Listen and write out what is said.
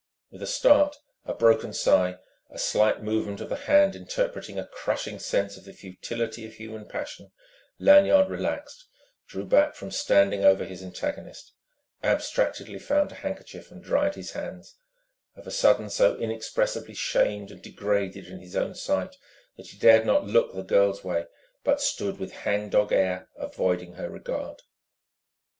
With a start, a broken sigh, a slight movement of the hand interpreting a crushing sense of the futility of human passion, Lanyard relaxed, drew back from standing over his antagonist, abstractedly found a handkerchief and dried his hands, of a sudden so inexpressibly shamed and degraded in his own sight that he dared not look the girl's way, but stood with hang dog air, avoiding her regard.